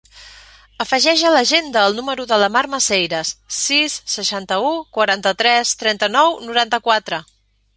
Afegeix a l'agenda el número de la Mar Maceiras: sis, seixanta-u, quaranta-tres, trenta-nou, noranta-quatre.